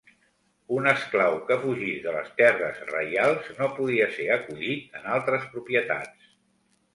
Un esclau que fugís de les terres reials, no podia ser acollit en altres propietats.